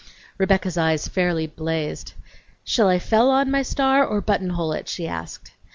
Rebecca's eyes fairly blazed. "Shall I fell on' my star, or buttonhole it?" she asked.